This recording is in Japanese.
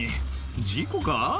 「事故か？